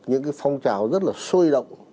những phong trào rất là sôi động